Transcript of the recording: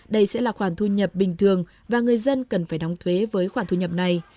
đây sẽ là khoản thu nhập bình thường và người dân cần phải đóng thuế với khoản thu nhập này